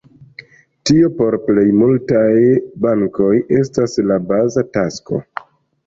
Tio por plej multaj bankoj estas la baza tasko.